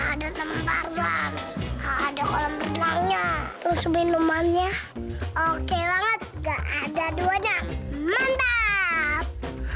ada teman barzan ada kolam petangnya terus minumannya oke banget gak ada duanya mantap